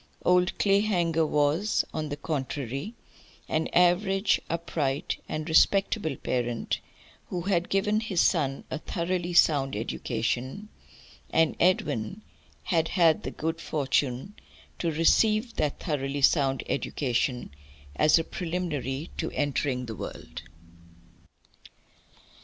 Old Clayhanger was, on the contrary, an average upright and respectable parent who had given his son a thoroughly sound education, and Edwin had had the good fortune to receive that thoroughly sound education, as a preliminary to entering the world.